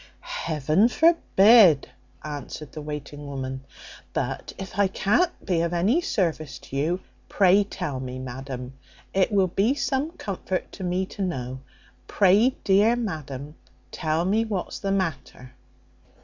"Heaven forbid!" answered the waiting woman; "but if I can't be of any service to you, pray tell me, madam it will be some comfort to me to know pray, dear ma'am, tell me what's the matter."